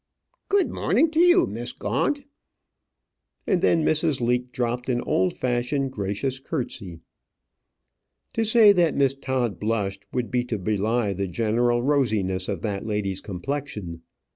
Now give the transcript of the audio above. Good morning to you, Miss Gaunt," and then Mrs. Leake dropt an old fashioned gracious curtsy. To say that Miss Todd blushed would be to belie the general rosiness of that lady's complexion.